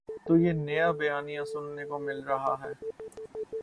تو یہ نیا بیانیہ سننے کو مل رہا ہے۔